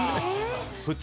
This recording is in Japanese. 普通！